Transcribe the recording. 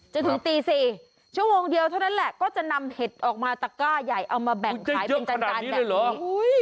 จนถึงตี๔ชั่วโมงเดียวเท่านั้นแหละก็จะนำเห็ดออกมาตะก้าใหญ่เอามาแบ่งขายเป็นการแบบนี้